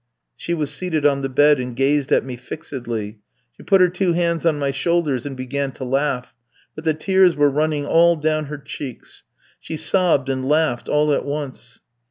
"She was seated on the bed, and gazed at me fixedly. She put her two hands on my shoulders and began to laugh; but the tears were running all down her cheeks. She sobbed and laughed all at once.